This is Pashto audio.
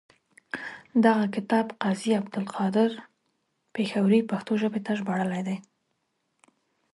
دغه کتاب قاضي عبدالقادر پیښوري پښتو ته ژباړلی دی.